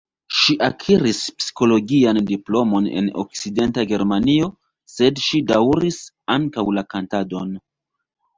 Ŝi akiris psikologian diplomon en Okcidenta Germanio, sed ŝi daŭris ankaŭ la kantadon.